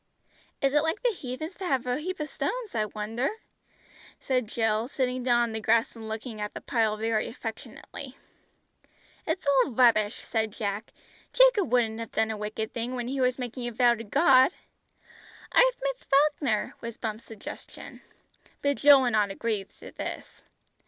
"Is it like the heathens to have a heap of stones, I wonder?" said Jill, sitting down on the grass and looking at the pile very affectionately. "It's all rubbish!" said Jack. "Jacob wouldn't have done a wicked thing, when he was making a vow to God." "Arth Miss Falkner," was Bumps' suggestion. But Jill would not agree to this.